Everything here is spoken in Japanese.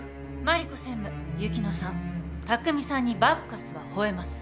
真梨子専務雪乃さん拓未さんにバッカスは吠えます。